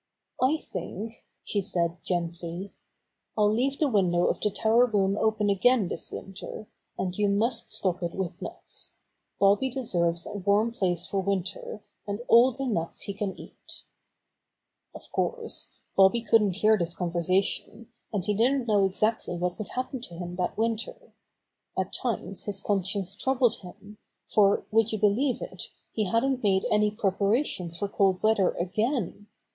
"I think," she said gently, "I'll leave the window of the tower room open again this winter, and yoa must stock it with nuts. Bobby deserves a warm place for winter, and all the nuts he can eat." Of course, Bobby couldn't hear this conver sation, and he didn't know exactly what would happen to him that winter. At times his con science troubled him, for, would you believe it, he hadn't made any preparations for cold weather again?